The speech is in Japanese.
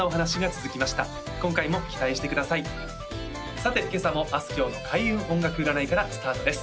さて今朝もあすきょうの開運音楽占いからスタートです